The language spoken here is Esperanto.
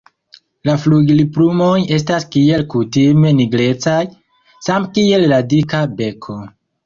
La flugilplumoj estas kiel kutime nigrecaj, same kiel la dika beko.